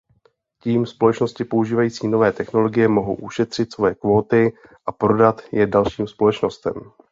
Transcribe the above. Tím společnosti používající nové technologie mohou ušetřit svoje kvóty a prodat je dalším společnostem.